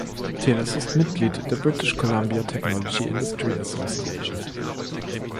Telus ist Mitglied der British Columbia Technology Industry Association.